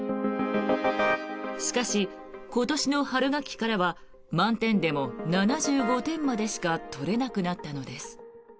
しかし、今年の春学期からは満点でも７５点までしか取れなくなったのです。